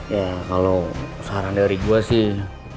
ya kalau saran dari gue sih